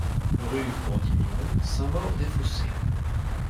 Rue Bourdignon, Saint-Maur-des-Fossés